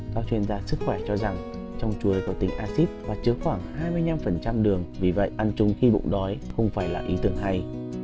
các chuyên gia sức khỏe cho rằng trong chuối có tính acid và chứa khoảng hai mươi năm đường vì vậy ăn chung khi bụng đói không phải là ý tưởng hay